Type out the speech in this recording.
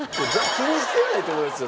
気にしてないと思いますよ